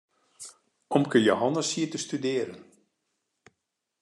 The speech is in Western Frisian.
Omke Jehannes siet te studearjen.